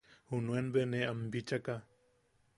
Junuen, be ne am bichaka.